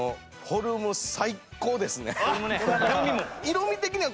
色味的には。